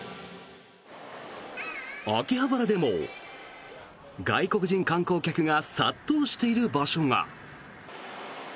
秋葉原でも外国人観光客が殺到している場所が。